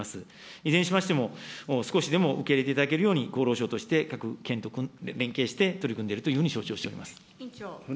いずれにしましても、少しでも受け入れていただけるように、厚労省として各県と連携して、取り組んでいるというふうに承知をしております。